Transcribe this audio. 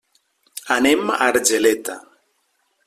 Anem a Argeleta.